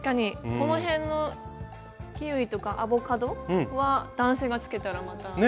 このへんのキウイとかアボカドは男性がつけたらまた。